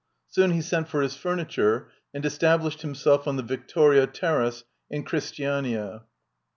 Soon he sent for his furniture and established him self on the Viktoria Terrasse, in Christiania.